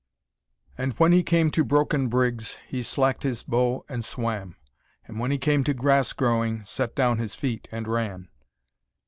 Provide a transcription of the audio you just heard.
And when he came to broken briggs, He slacked his bow and swam; And when he came to grass growing, Set down his feet and ran.